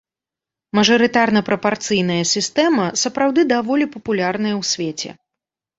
Мажарытарна-прапарцыйная сістэма сапраўды даволі папулярная ў свеце.